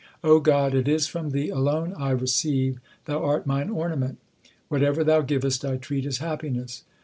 O God, it is from Thee alone I receive ; Thou art mine ornament. Whatever Thou givest I treat as happiness.